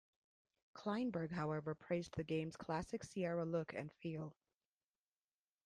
Kleinberg however praised the game's classic Sierra look and feel.